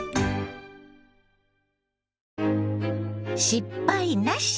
「失敗なし！